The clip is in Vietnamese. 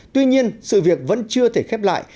tuy nhiên sự việc vẫn chưa thể khép lại